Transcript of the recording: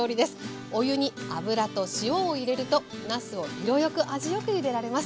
お湯に油と塩を入れるとなすを色よく味よくゆでられます。